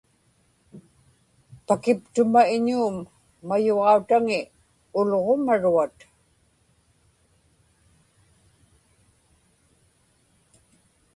pakiptuma iñuum mayuġautaŋi ulġumaruat